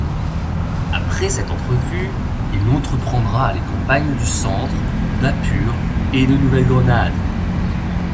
Après cette entrevue, il entreprendra les campagnes du Centre, d'Apure et de Nouvelle-Grenade.